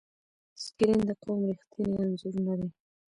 سکرین د قوم ریښتینی انځور نه دی.